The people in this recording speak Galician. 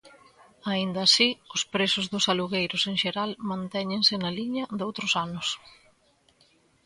Aínda así, os prezos dos alugueiros en xeral, mantéñense na liña doutros anos.